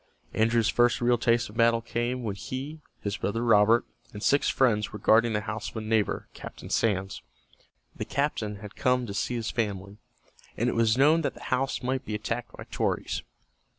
Andrew's first real taste of battle came when he, his brother Robert, and six friends were guarding the house of a neighbor, Captain Sands. The captain had come to see his family, and it was known that the house might be attacked by Tories.